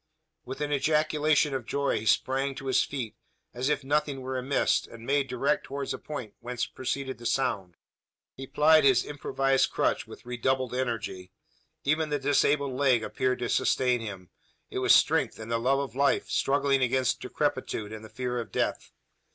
With an ejaculation of joy, he sprang to his feet, as if nothing were amiss; and made direct towards the point whence proceeded the sound. He plied his improvised crutch with redoubled energy. Even the disabled leg appeared to sustain him. It was strength and the love of life, struggling against decrepitude and the fear of death.